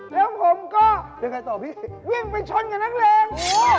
แล้วผมก็วิ่งไปชนกับนักเลง